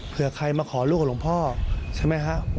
เผื่อใครมาขอลูกของลงพ่อใช่ไหมคะ